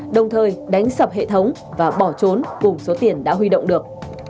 đồng thời đánh sập hệ thống và bỏ trốn cùng số tiền đã huy động được